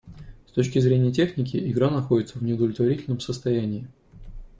С точки зрения техники, игра находится в неудовлетворительном состоянии.